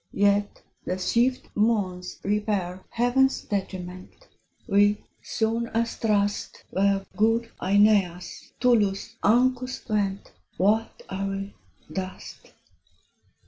Yet the swift moons repair Heaven's detriment: We, soon as thrust Where good Aeneas, Tullus, Ancus went, What are we? dust.